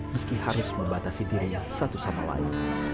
meski harus membatasi diri satu sama lain